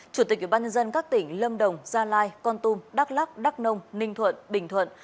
chủ tịch ủy ban nhân dân các tỉnh lâm đồng gia lai con tum đắk lắc đắk nông ninh thuận bình thuận